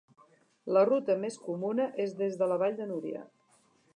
La ruta més comuna és des de la Vall de Núria.